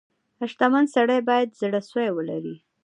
• شتمن سړی باید زړه سوی ولري.